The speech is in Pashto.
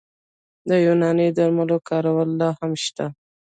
د یوناني درملو کارول لا هم شته.